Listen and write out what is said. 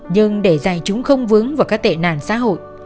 nhưng để dài chúng không vướng vào các tệ nạn xã hội